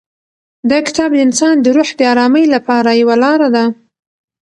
دا کتاب د انسان د روح د ارامۍ لپاره یوه لاره ده.